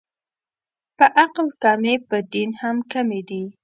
په عقل کمې، په دین هم کمې دي